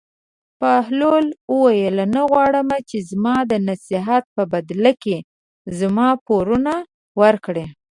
بهلول وویل: نه غواړم چې زما د نصیحت په بدله کې زما پورونه ورکړې.